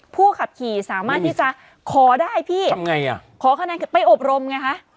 ผู้ขับขี่สามารถที่จะขอได้พี่ทำไงอ่ะขอคะแนนไปอบรมไงคะ